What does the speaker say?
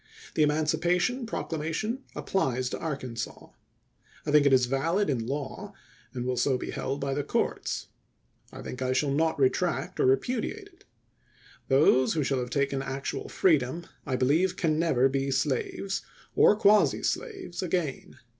The emancipation procla mation applies to Arkansas. I think it is vahd in law July 15 AEKANSAS FREE 411 and will be so held by the courts. I think I shall not re tract or repudiate it. Those who shall have taken actual freedom I believe can never be slaves, or quasi slaves, again.